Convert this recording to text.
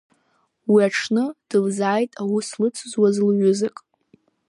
Уи аҽны дылзааит аус лыцызуаз лҩызак…